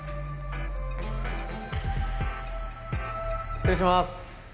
失礼します！